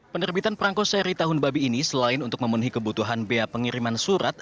penerbitan perangko seri tahun babi ini selain untuk memenuhi kebutuhan bea pengiriman surat